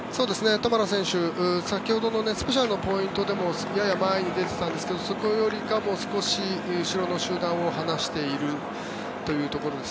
トマラ選手、先ほどのスペシャルのポイントでもやや前に出てたんですけどそれよりか少し後ろの集団を離しているというところです。